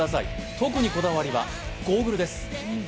特にこだわりはゴーグルです。